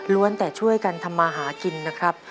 แต่ช่วยกันทำมาหากินนะครับ